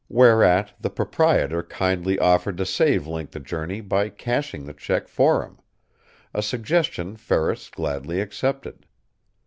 Whereat the proprietor kindly offered to save Link the journey by cashing the check for him; a suggestion Ferris gladly accepted.